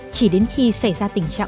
chỉ đến khi xảy ra tình huống